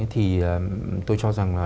thì tôi cho rằng là